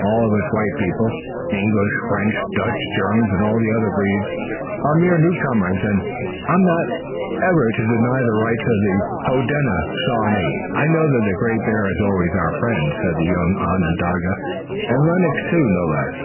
All of us white people, English, French, Dutch, Germans and all other breeds, are mere newcomers, and I'm not one ever to deny the rights of the Hodenosaunee." "I know that the Great Bear is always our friend," said the young Onondaga, "and Lennox too, no less."